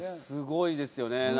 すごいですよね。